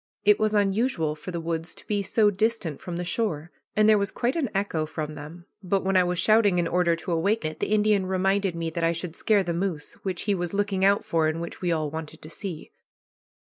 It was unusual for the woods to be so distant from the shore, and there was quite an echo from them, but when I was shouting in order to awake it, the Indian reminded me that I should scare the moose, which he was looking out for, and which we all wanted to see.